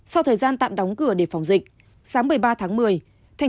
sau thời gian tạm đóng cửa để phòng dịch sáng một mươi ba tháng một mươi